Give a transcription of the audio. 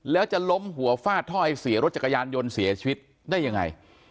แล้วจะล้มหัวฟาดถ้อยเสียรถจักรยานยนต์เสียชีวิตได้ยังไง